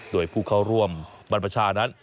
โดยผู้เข้าร่วมบรรพชานั้น